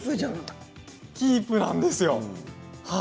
キープなんですよ。